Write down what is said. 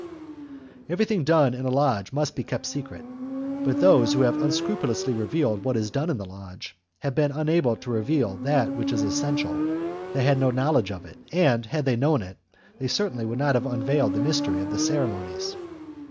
Everything done in a lodge must be secret; but those who have unscrupulously revealed what is done in the lodge, have been unable to reveal that which is essential; they had no knowledge of it, and had they known it, they certainly would not have unveiled the mystery of the ceremonies.